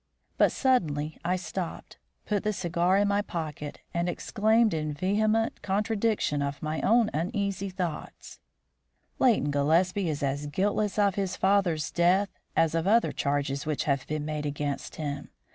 But suddenly I stopped, put the cigar in my pocket, and exclaimed in vehement contradiction of my own uneasy thoughts: "Leighton Gillespie is as guiltless of his father's death as of other charges which have been made against him.